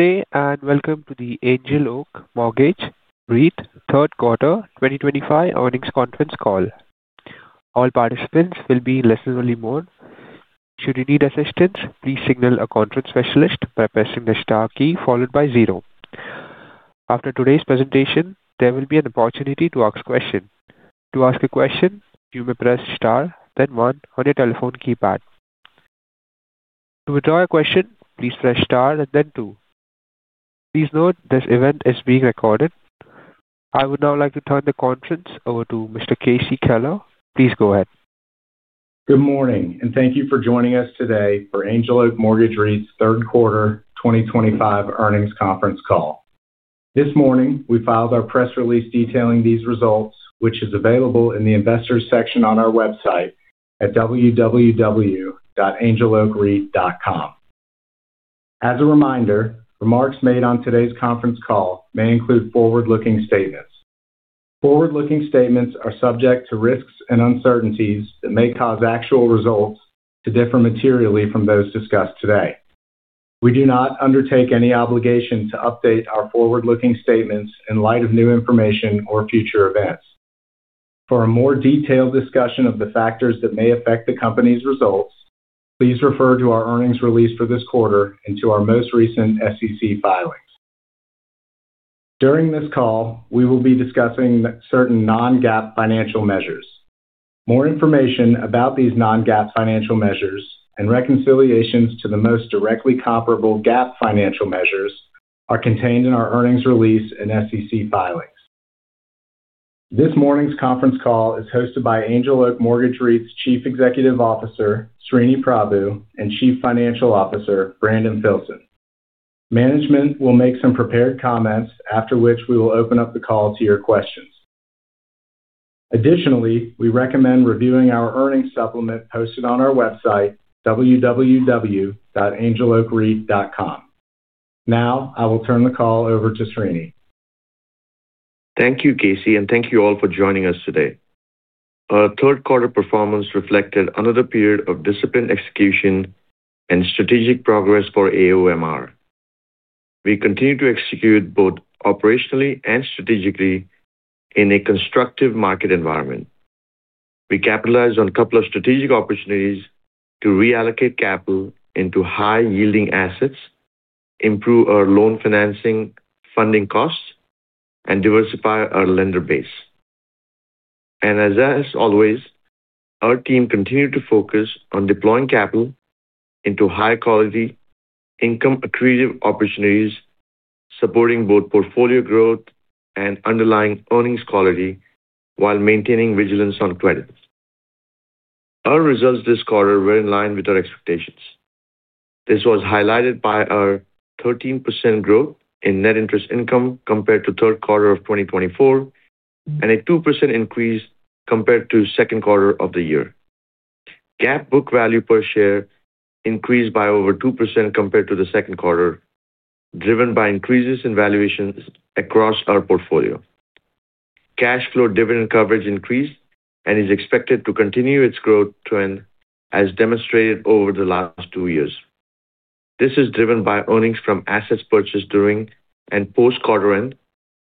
Good day and welcome to the Angel Oak Mortgage REIT third quarter 2025 earnings conference call. All participants will be in listen-only mode. Should you need assistance, please signal a conference specialist by pressing the star key followed by zero. After today's presentation, there will be an opportunity to ask a question. To ask a question, you may press star, then one on your telephone keypad. To withdraw a question, please press star, then two. Please note this event is being recorded. I would now like to turn the conference over to Mr. KC Kelleher. Please go ahead. Good morning, and thank you for joining us today for Angel Oak Mortgage REIT's third quarter 2025 earnings conference call. This morning, we filed our press release detailing these results, which is available in the investors' section on our website at www.angeloakreit.com. As a reminder, remarks made on today's conference call may include forward-looking statements. Forward-looking statements are subject to risks and uncertainties that may cause actual results to differ materially from those discussed today. We do not undertake any obligation to update our forward-looking statements in light of new information or future events. For a more detailed discussion of the factors that may affect the company's results, please refer to our earnings release for this quarter and to our most recent SEC filings. During this call, we will be discussing certain non-GAAP financial measures. More information about these non-GAAP financial measures and reconciliations to the most directly comparable GAAP financial measures are contained in our earnings release and SEC filings. This morning's conference call is hosted by Angel Oak Mortgage REIT's Chief Executive Officer, Sreeni Prabhu, and Chief Financial Officer, Brandon Filson. Management will make some prepared comments, after which we will open up the call to your questions. Additionally, we recommend reviewing our earnings supplement posted on our website, www.angeloakreit.com. Now, I will turn the call over to Sreeni. Thank you, KC, and thank you all for joining us today. Our third-quarter performance reflected another period of disciplined execution and strategic progress for AOMR. We continue to execute both operationally and strategically in a constructive market environment. We capitalized on a couple of strategic opportunities to reallocate capital into high-yielding assets, improve our loan financing funding costs, and diversify our lender base. As always, our team continued to focus on deploying capital into high-quality income-accretive opportunities, supporting both portfolio growth and underlying earnings quality while maintaining vigilance on credits. Our results this quarter were in line with our expectations. This was highlighted by our 13% growth in net interest income compared to the third quarter of 2024 and a 2% increase compared to the second quarter of the year. GAAP book value per share increased by over 2% compared to the second quarter, driven by increases in valuations across our portfolio. Cash flow dividend coverage increased and is expected to continue its growth trend as demonstrated over the last two years. This is driven by earnings from assets purchased during and post-quarter end,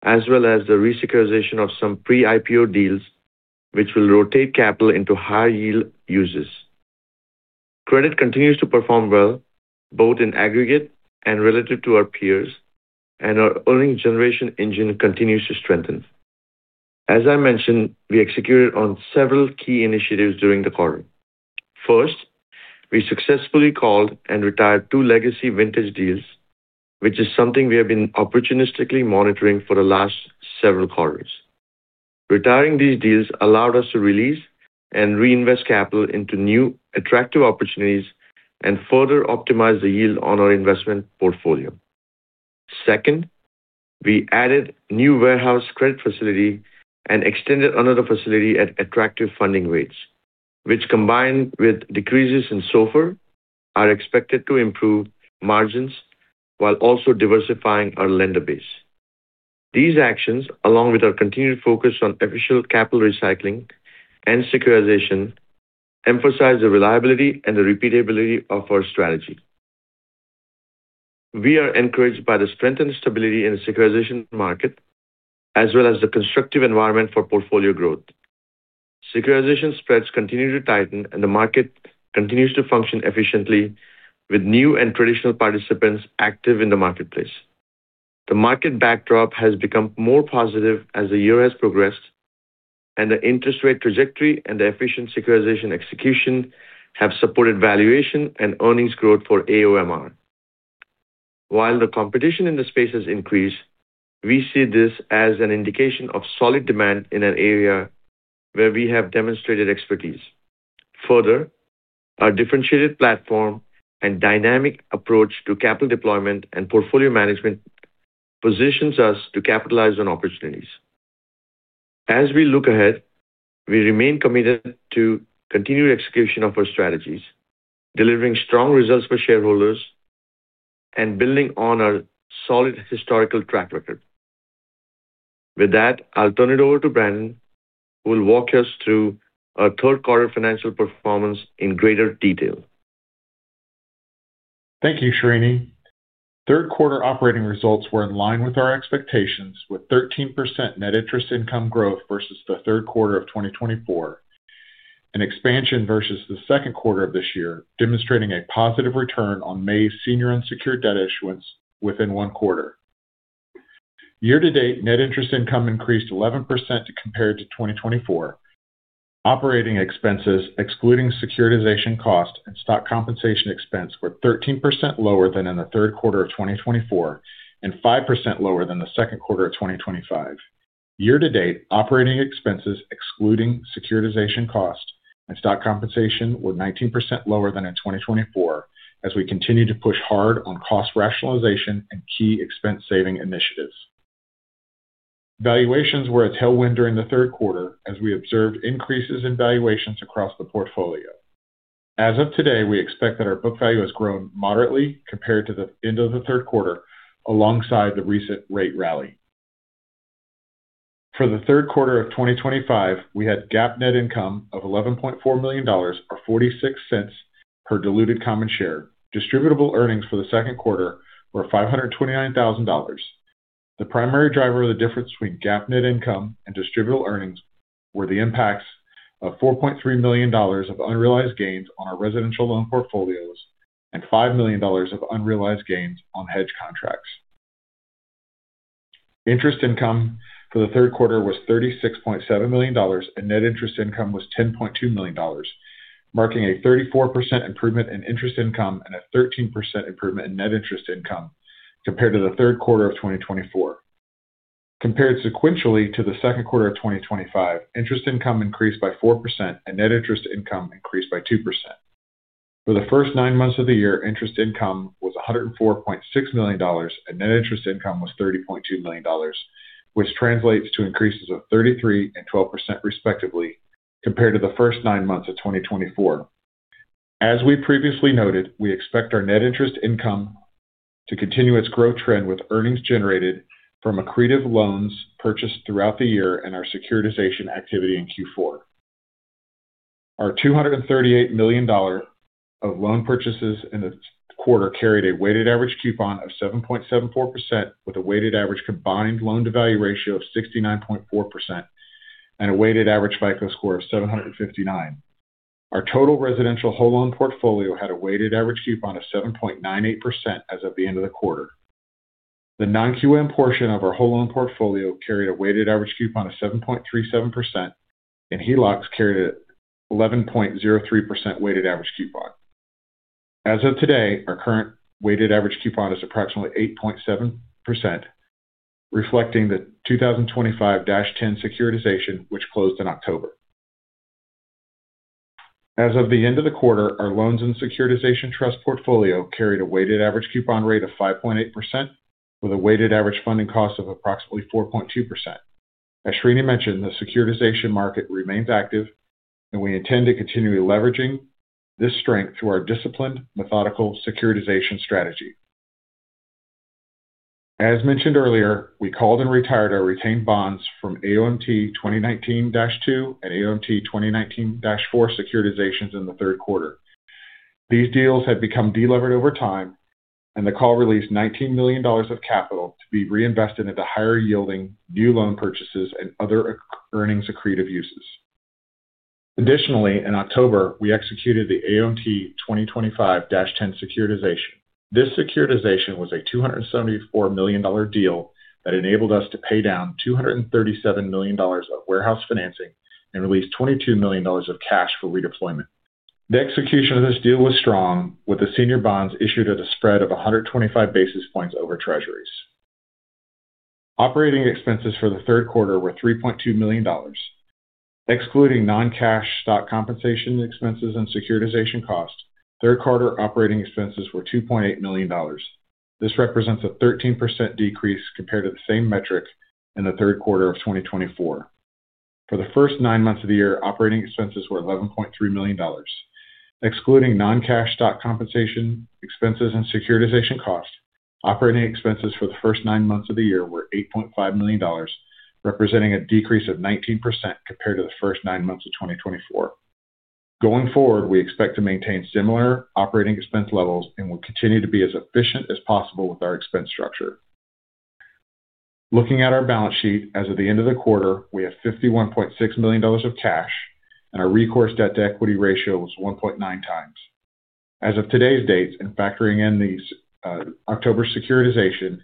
as well as the resecuritization of some pre-IPO deals, which will rotate capital into high-yield uses. Credit continues to perform well, both in aggregate and relative to our peers, and our earnings generation engine continues to strengthen. As I mentioned, we executed on several key initiatives during the quarter. First, we successfully called and retired two legacy vintage deals, which is something we have been opportunistically monitoring for the last several quarters. Retiring these deals allowed us to release and reinvest capital into new attractive opportunities and further optimize the yield on our investment portfolio. Second. We added a new warehouse credit facility and extended another facility at attractive funding rates, which, combined with decreases in SOFR, are expected to improve margins while also diversifying our lender base. These actions, along with our continued focus on efficient capital recycling and securitization, emphasize the reliability and the repeatability of our strategy. We are encouraged by the strength and stability in the securitization market, as well as the constructive environment for portfolio growth. Securitization spreads continue to tighten, and the market continues to function efficiently, with new and traditional participants active in the marketplace. The market backdrop has become more positive as the year has progressed, and the interest rate trajectory and efficient securitization execution have supported valuation and earnings growth for AOMR. While the competition in the space has increased, we see this as an indication of solid demand in an area where we have demonstrated expertise. Further, our differentiated platform and dynamic approach to capital deployment and portfolio management positions us to capitalize on opportunities. As we look ahead, we remain committed to continued execution of our strategies, delivering strong results for shareholders, and building on our solid historical track record. With that, I'll turn it over to Brandon, who will walk us through our third-quarter financial performance in greater detail. Thank you, Sreeni. Third-quarter operating results were in line with our expectations, with 13% net interest income growth versus the third quarter of 2024. Expansion versus the second quarter of this year, demonstrating a positive return on May's senior unsecured debt issuance within one quarter. Year-to-date net interest income increased 11% compared to 2024. Operating expenses, excluding securitization cost and stock compensation expense, were 13% lower than in the third quarter of 2024 and 5% lower than the second quarter of 2025. Year-to-date operating expenses, excluding securitization cost and stock compensation, were 19% lower than in 2024, as we continue to push hard on cost rationalization and key expense-saving initiatives. Valuations were a tailwind during the third quarter, as we observed increases in valuations across the portfolio. As of today, we expect that our book value has grown moderately compared to the end of the third quarter, alongside the recent rate rally. For the third quarter of 2025, we had GAAP net income of $11.4 million, or $0.46 per diluted common share. Distributable earnings for the second quarter were $529,000. The primary driver of the difference between GAAP net income and distributable earnings were the impacts of $4.3 million of unrealized gains on our residential loan portfolios and $5 million of unrealized gains on hedge contracts. Interest income for the third quarter was $36.7 million, and net interest income was $10.2 million, marking a 34% improvement in interest income and a 13% improvement in net interest income compared to the third quarter of 2024. Compared sequentially to the second quarter of 2025, interest income increased by 4% and net interest income increased by 2%. For the first nine months of the year, interest income was $104.6 million, and net interest income was $30.2 million, which translates to increases of 33% and 12%, respectively, compared to the first nine months of 2024. As we previously noted, we expect our net interest income to continue its growth trend with earnings generated from accretive loans purchased throughout the year and our securitization activity in Q4. Our $238 million of loan purchases in the quarter carried a weighted average coupon of 7.74%, with a weighted average combined loan-to-value ratio of 69.4% and a weighted average FICO score of 759. Our total residential whole loan portfolio had a weighted average coupon of 7.98% as of the end of the quarter. The non-QM portion of our whole loan portfolio carried a weighted average coupon of 7.37%, and HELOCs carried an 11.03% weighted average coupon. As of today, our current weighted average coupon is approximately 8.7%. Reflecting the 2025-10 securitization, which closed in October. As of the end of the quarter, our loans and securitization trust portfolio carried a weighted average coupon rate of 5.8%, with a weighted average funding cost of approximately 4.2%. As Sreeni mentioned, the securitization market remains active, and we intend to continue leveraging this strength through our disciplined, methodical securitization strategy. As mentioned earlier, we called and retired our retained bonds from AOMT 2019-2 and AOMT 2019-4 securitizations in the third quarter. These deals had become deliberate over time, and the call released $19 million of capital to be reinvested into higher-yielding new loan purchases and other earnings-accretive uses. Additionally, in October, we executed the AOMT 2025-10 securitization. This securitization was a $274 million deal that enabled us to pay down $237 million of warehouse financing and release $22 million of cash for redeployment. The execution of this deal was strong, with the senior bonds issued at a spread of 125 basis points over Treasuries. Operating expenses for the third quarter were $3.2 million. Excluding non-cash stock compensation expenses and securitization cost, third-quarter operating expenses were $2.8 million. This represents a 13% decrease compared to the same metric in the third quarter of 2024. For the first nine months of the year, operating expenses were $11.3 million. Excluding non-cash stock compensation expenses and securitization cost, operating expenses for the first nine months of the year were $8.5 million, representing a decrease of 19% compared to the first nine months of 2024. Going forward, we expect to maintain similar operating expense levels and will continue to be as efficient as possible with our expense structure. Looking at our balance sheet, as of the end of the quarter, we have $51.6 million of cash, and our recourse debt-to-equity ratio was 1.9 times. As of today's date, and factoring in the October securitization,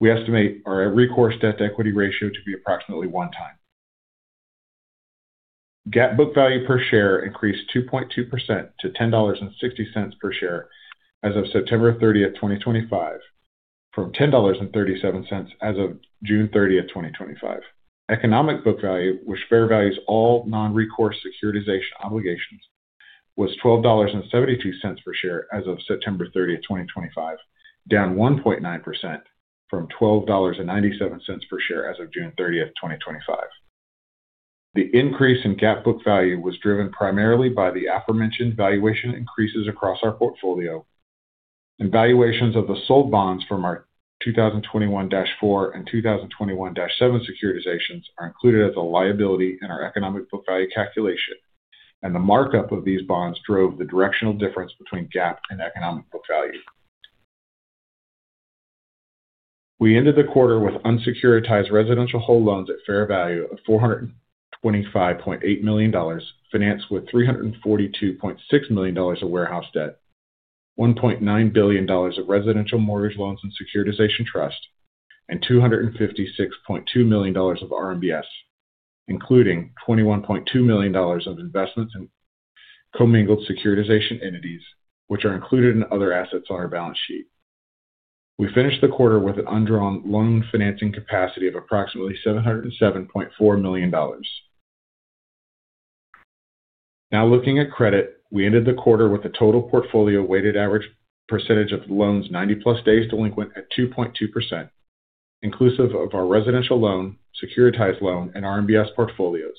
we estimate our recourse debt-to-equity ratio to be approximately one time. GAAP book value per share increased 2.2% to $10.60 per share as of September 30, 2025, from $10.37 as of June 30, 2025. Economic book value, which fair values all non-recourse securitization obligations, was $12.72 per share as of September 30, 2025, down 1.9% from $12.97 per share as of June 30, 2025. The increase in GAAP book value was driven primarily by the aforementioned valuation increases across our portfolio. Valuations of the sold bonds from our 2021-4 and 2021-7 securitizations are included as a liability in our economic book value calculation, and the markup of these bonds drove the directional difference between GAAP and economic book value. We ended the quarter with unsecuritized residential whole loans at fair value of $425.8 million, financed with $342.6 million of warehouse debt, $1.9 billion of residential mortgage loans and securitization trust, and $256.2 million of RMBS, including $21.2 million of investments in commingled securitization entities, which are included in other assets on our balance sheet. We finished the quarter with an undrawn loan financing capacity of approximately $707.4 million. Now, looking at credit, we ended the quarter with a total portfolio weighted average percentage of loans 90-plus days delinquent at 2.2%, inclusive of our residential loan, securitized loan, and RMBS portfolios,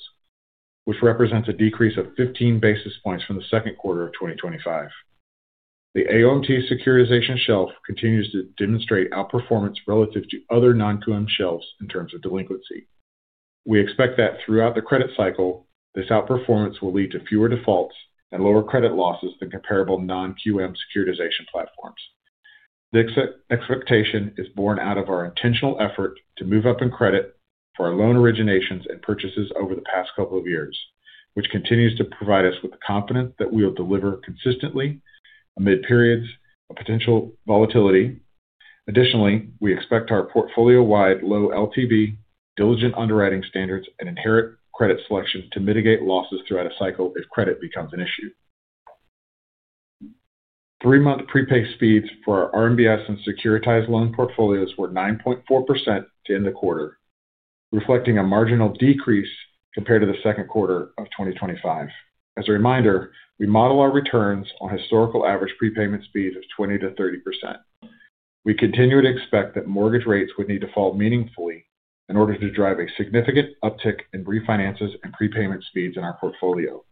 which represents a decrease of 15 basis points from the second quarter of 2025. The AOMT securitization shelf continues to demonstrate outperformance relative to other non-QM shelves in terms of delinquency. We expect that throughout the credit cycle, this outperformance will lead to fewer defaults and lower credit losses than comparable non-QM securitization platforms. The expectation is born out of our intentional effort to move up in credit for our loan originations and purchases over the past couple of years, which continues to provide us with the confidence that we will deliver consistently amid periods of potential volatility. Additionally, we expect our portfolio-wide low LTV, diligent underwriting standards, and inherent credit selection to mitigate losses throughout a cycle if credit becomes an issue. Three-month prepay speeds for our RMBS and securitized loan portfolios were 9.4% to end the quarter, reflecting a marginal decrease compared to the second quarter of 2025. As a reminder, we model our returns on historical average prepayment speeds of 20%-30%. We continued to expect that mortgage rates would need to fall meaningfully in order to drive a significant uptick in refinances and prepayment speeds in our portfolio.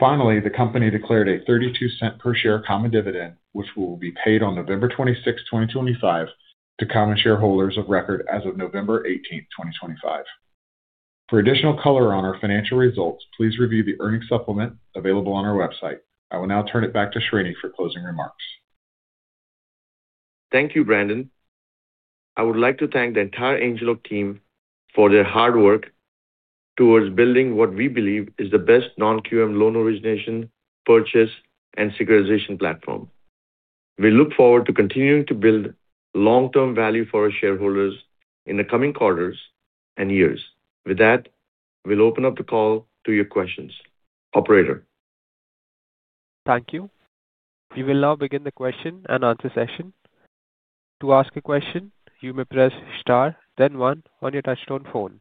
Finally, the company declared a $0.32 per share common dividend, which will be paid on November 26, 2025, to common shareholders of record as of November 18, 2025. For additional color on our financial results, please review the earnings supplement available on our website. I will now turn it back to Sreeni for closing remarks. Thank you, Brandon. I would like to thank the entire Angel Oak team for their hard work towards building what we believe is the best non-QM loan origination, purchase, and securitization platform. We look forward to continuing to build long-term value for our shareholders in the coming quarters and years. With that, we'll open up the call to your questions, Operator. Thank you. We will now begin the question-and-answer session. To ask a question, you may press star, then 1 on your touchstone phone.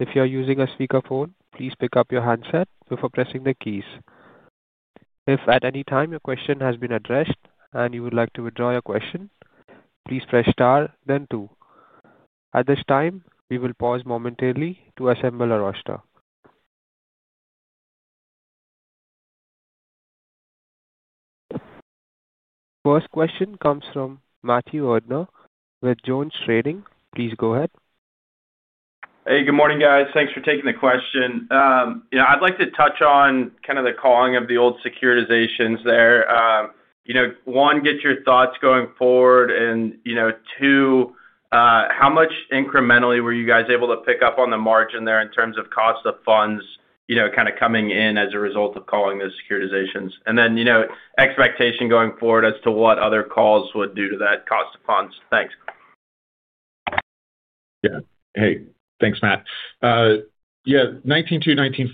If you are using a speakerphone, please pick up your handset before pressing the keys. If at any time your question has been addressed and you would like to withdraw your question, please press star, then two. At this time, we will pause momentarily to assemble our roster. The first question comes from Matthew Erdner with Jones Trading. Please go ahead. Hey, good morning, guys. Thanks for taking the question. I'd like to touch on kind of the calling of the old securitizations there. One, get your thoughts going forward, and two, how much incrementally were you guys able to pick up on the margin there in terms of cost of funds kind of coming in as a result of calling those securitizations? Then expectation going forward as to what other calls would do to that cost of funds. Thanks. Yeah. Hey, thanks, Matt. Yeah, 2019-2,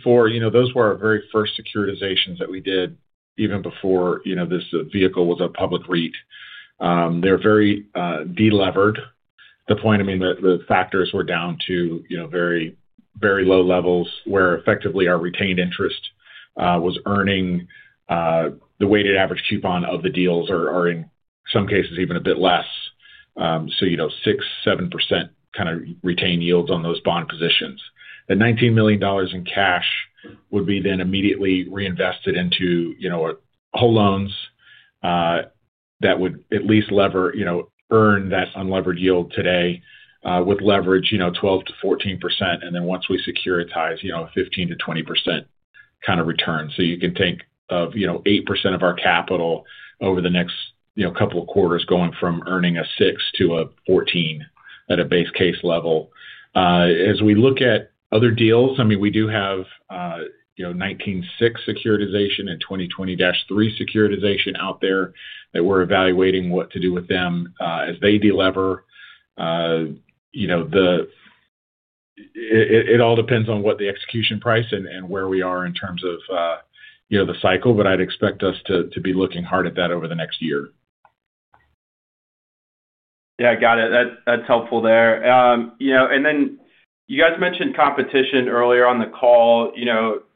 2019-4, those were our very first securitizations that we did even before this vehicle was a public REIT. They were very deliberate, to the point, I mean, that the factors were down to very low levels where effectively our retained interest was earning. The weighted average coupon of the deals are in some cases even a bit less. So 6%-7% kind of retained yields on those bond positions. The $19 million in cash would be then immediately reinvested into whole loans. That would at least earn that unleveraged yield today with leverage 12%-14%, and then once we securitize, 15%-20% kind of return. You can think of 8% of our capital over the next couple of quarters going from earning a 6% to a 14% at a base case level. As we look at other deals, I mean, we do have 1996 securitization and 2020-3 securitization out there that we're evaluating what to do with them as they deliberate. It all depends on what the execution price and where we are in terms of the cycle, but I'd expect us to be looking hard at that over the next year. Yeah, got it. That's helpful there. You guys mentioned competition earlier on the call.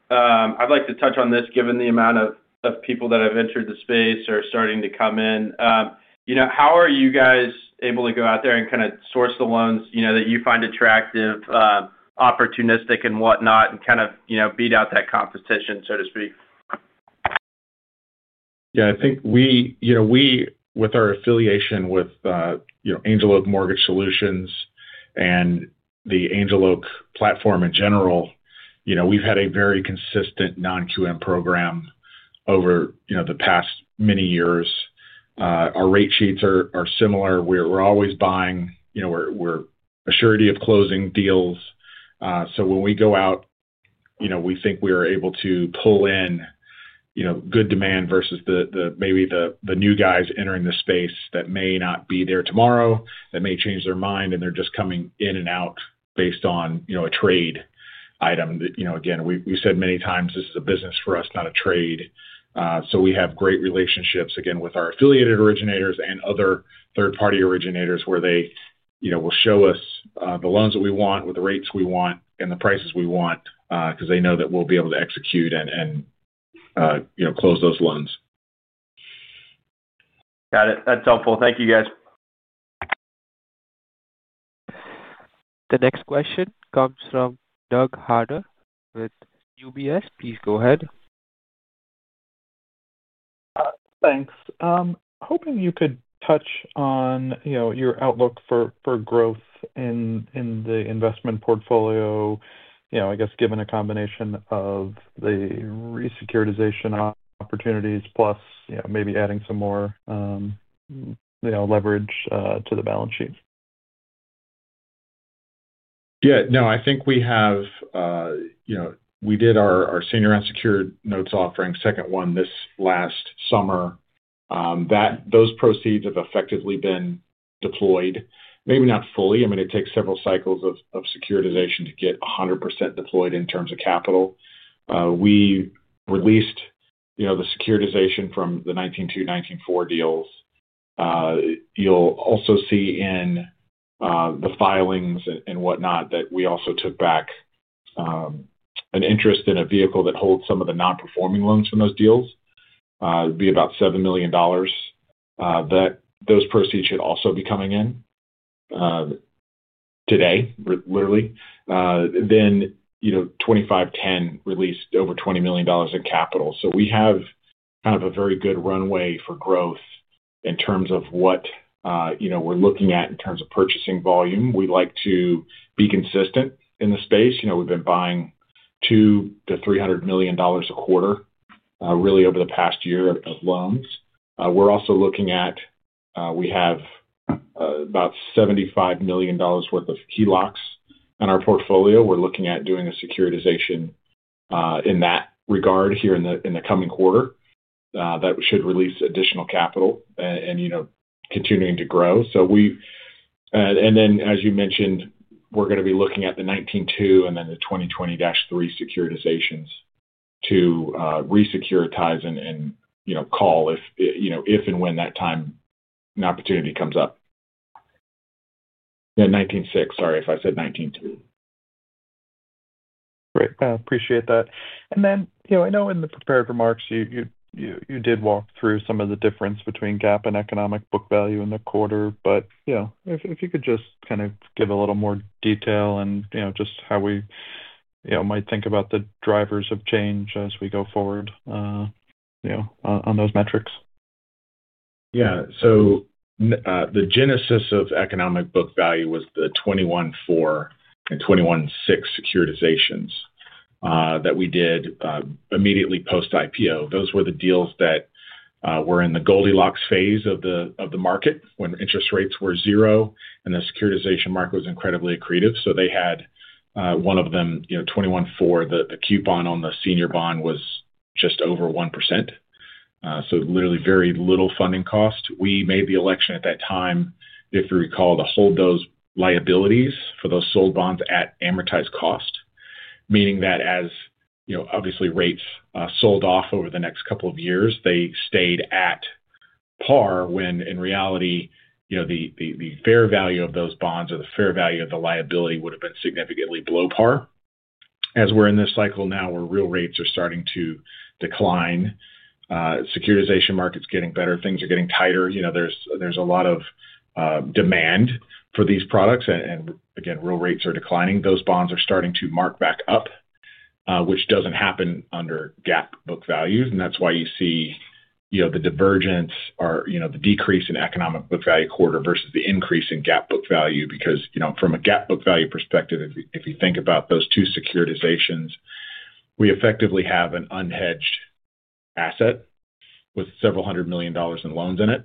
I'd like to touch on this given the amount of people that have entered the space or are starting to come in. How are you guys able to go out there and kind of source the loans that you find attractive, opportunistic, and whatnot, and kind of beat out that competition, so to speak? Yeah, I think we, with our affiliation with Angel Oak Mortgage Solutions and the Angel Oak platform in general, we've had a very consistent non-QM program over the past many years. Our rate sheets are similar. We're always buying. We're assured of closing deals. When we go out, we think we are able to pull in good demand versus maybe the new guys entering the space that may not be there tomorrow, that may change their mind, and they're just coming in and out based on a trade item. Again, we've said many times this is a business for us, not a trade. We have great relationships, again, with our affiliated originators and other third-party originators where they will show us the loans that we want with the rates we want and the prices we want because they know that we'll be able to execute and. Close those loans. Got it. That's helpful. Thank you, guys. The next question comes from Doug Harter with UBS. Please go ahead. Thanks. Hoping you could touch on your outlook for growth in the investment portfolio, I guess, given a combination of the resecuritization opportunities plus maybe adding some more leverage to the balance sheet. Yeah. No, I think we have. We did our senior unsecured notes offering, second one, this last summer. Those proceeds have effectively been deployed. Maybe not fully. I mean, it takes several cycles of securitization to get 100% deployed in terms of capital. We released the securitization from the 2019-2, 2019-4 deals. You'll also see in the filings and whatnot that we also took back an interest in a vehicle that holds some of the non-performing loans from those deals. It'd be about $7 million. Those proceeds should also be coming in today, literally. Then 2025-10 released over $20 million in capital. We have kind of a very good runway for growth in terms of what we're looking at in terms of purchasing volume. We like to be consistent in the space. We've been buying $200 million-$300 million a quarter, really, over the past year of loans. We're also looking at, we have about $75 million worth of HELOCs in our portfolio. We're looking at doing a securitization in that regard here in the coming quarter that should release additional capital and continuing to grow. As you mentioned, we're going to be looking at the 1996 and then the 2020-3 securitizations to resecuritize and call if and when that time and opportunity comes up. Yeah, 1996. Sorry if I said 1992. Great. Appreciate that. I know in the prepared remarks, you did walk through some of the difference between GAAP and economic book value in the quarter, but if you could just kind of give a little more detail and just how we might think about the drivers of change as we go forward on those metrics. Yeah. So the genesis of economic book value was the 2114 and 2116 securitizations that we did immediately post-IPO. Those were the deals that were in the Goldilocks phase of the market when interest rates were zero and the securitization market was incredibly accretive. They had one of them, 2114, the coupon on the senior bond was just over 1%. So literally very little funding cost. We made the election at that time, if you recall, to hold those liabilities for those sold bonds at amortized cost. Meaning that as obviously rates sold off over the next couple of years, they stayed at par when in reality the fair value of those bonds or the fair value of the liability would have been significantly below par. As we're in this cycle now where real rates are starting to decline, securitization markets getting better, things are getting tighter. There's a lot of demand for these products, and again, real rates are declining. Those bonds are starting to mark back up, which doesn't happen under GAAP book values. That's why you see the divergence or the decrease in economic book value quarter versus the increase in GAAP book value, because from a GAAP book value perspective, if you think about those two securitizations, we effectively have an unhedged asset with several hundred million dollars in loans in it.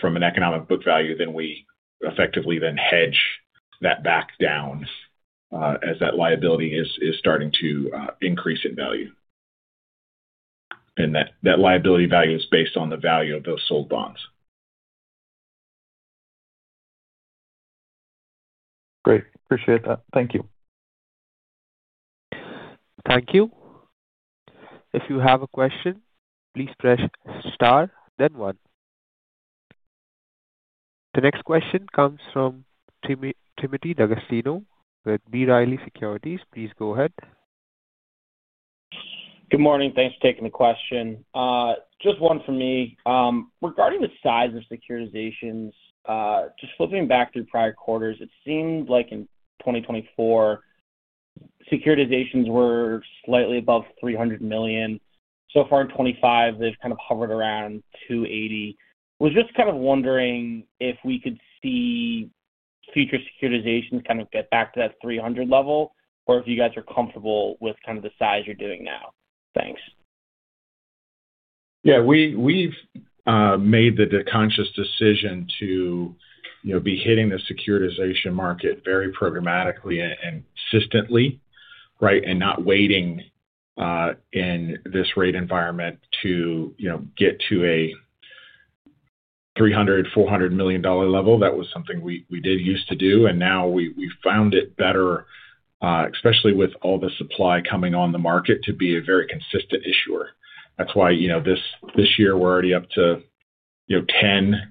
From an economic book value, then we effectively hedge that back down as that liability is starting to increase in value. That liability value is based on the value of those sold bonds. Great. Appreciate that. Thank you. Thank you. If you have a question, please press star, then one. The next question comes from Timothy D'Agostino with B. Riley Securities. Please go ahead. Good morning. Thanks for taking the question. Just one for me. Regarding the size of securitizations. Just flipping back through prior quarters, it seemed like in 2024, securitizations were slightly above $300 million. So far in 2025, they've kind of hovered around $280 million. Was just kind of wondering if we could see future securitizations kind of get back to that $300 million level or if you guys are comfortable with kind of the size you're doing now. Thanks. Yeah. We've made the conscious decision to be hitting the securitization market very programmatically and consistently, right, and not waiting in this rate environment to get to a $300 million-$400 million level. That was something we did used to do. Now we found it better, especially with all the supply coming on the market, to be a very consistent issuer. That's why this year we're already up to 10-11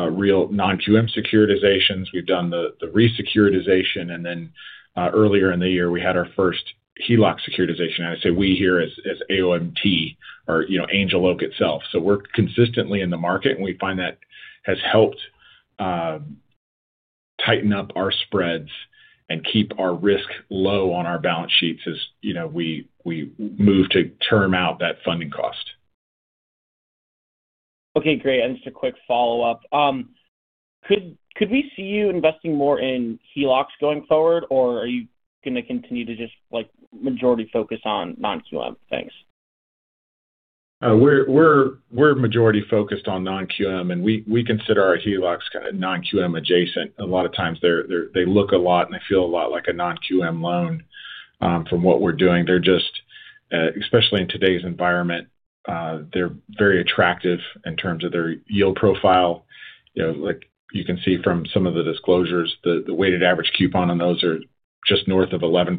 real non-QM securitizations. We've done the resecuritization. Earlier in the year, we had our first HELOC securitization. I say we here as AOMT or Angel Oak itself. We're consistently in the market, and we find that has helped tighten up our spreads and keep our risk low on our balance sheets as we move to term out that funding cost. Okay. Great. And just a quick follow-up. Could we see you investing more in HELOCs going forward, or are you going to continue to just majority focus on non-QM things? We're majority focused on non-QM, and we consider our HELOCs kind of non-QM adjacent. A lot of times they look a lot and they feel a lot like a non-QM loan from what we're doing. They're just, especially in today's environment. They're very attractive in terms of their yield profile. You can see from some of the disclosures, the weighted average coupon on those are just north of 11%.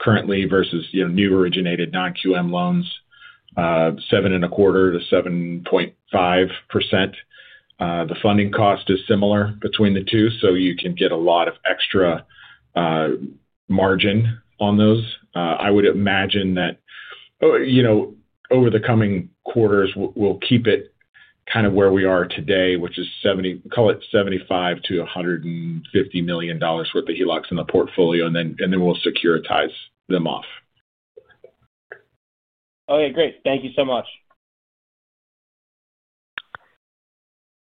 Currently versus new originated non-QM loans. 7.25%-7.5%. The funding cost is similar between the two, so you can get a lot of extra margin on those. I would imagine that over the coming quarters, we'll keep it kind of where we are today, which is $70 million-$150 million worth of HELOCs in the portfolio, and then we'll securitize them off. Okay. Great. Thank you so much.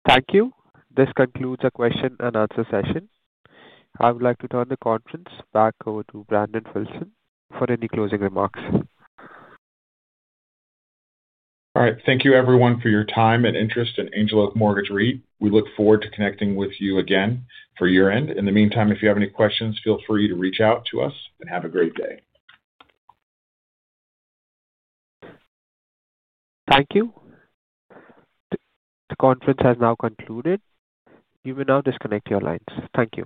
Thank you. This concludes our question-and-answer session. I would like to turn the conference back over to Brandon Filson for any closing remarks. All right. Thank you, everyone, for your time and interest in Angel Oak Mortgage REIT. We look forward to connecting with you again for year-end. In the meantime, if you have any questions, feel free to reach out to us and have a great day. Thank you. The conference has now concluded. You may now disconnect your lines. Thank you.